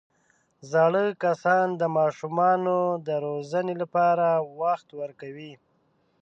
زاړه کسان د ماشومانو د روزنې لپاره وخت ورکوي